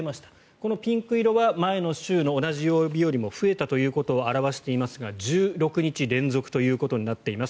このピンク色は前の週の同じ曜日よりも増えたということを表していますが１６日連続となっています。